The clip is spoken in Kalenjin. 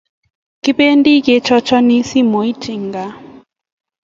Kibendi ke chacheni simot en gaa